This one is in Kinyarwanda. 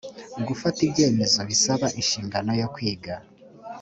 gufata ibyemezo bisaba inshingano yo kwiga